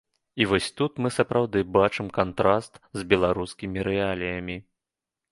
І вось тут мы сапраўды бачым кантраст з беларускімі рэаліямі.